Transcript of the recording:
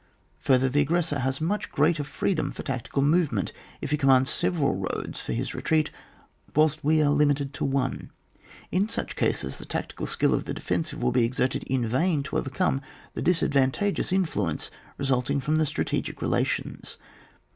Further, the aggressor has much greater freedom for tactical movement if he commands several roads for his re treat whilst we are limited to one. In such cases the tactical skill of the defen sive will be exerted in vain to overcome the disadvantageous influence resulting from the strategic relations.